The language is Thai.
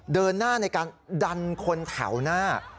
เดินหน้าในการดันคนแถวหน้า